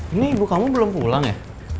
ini ibu kamu belum pulang ya